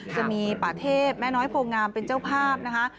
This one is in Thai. จะมีป่าเทพแม่น้อยโพงามเป็นเจ้าภาพนะคะ